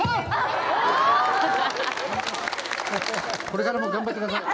これからも頑張ってください！